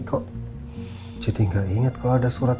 kayak ingat tuk